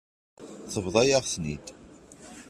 Tebḍa-yaɣ-ten-id.